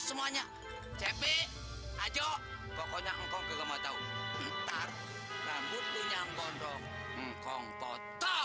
semuanya cepi ajok pokoknya engkau kegawatau ntar rambut punya ngondong ngkong potong potong